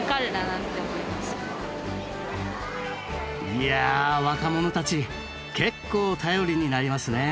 いや若者たち結構頼りになりますね。